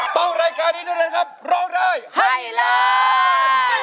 เพราะร้องได้ให้ร้าน